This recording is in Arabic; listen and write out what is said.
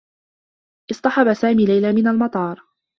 اصطحب سامي ليلى من المطار.